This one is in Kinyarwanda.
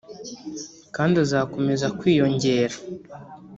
kandi azakomeza kwiyongera